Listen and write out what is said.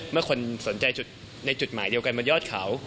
เมื่อคนสนใจจุดในจุดหมายเดียวกันบนยอดเขา